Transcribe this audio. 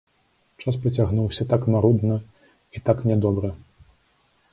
Час пацягнуўся так марудна і так нядобра!